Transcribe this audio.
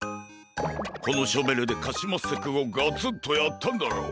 このショベルでカシマッセくんをガツンとやったんだろ。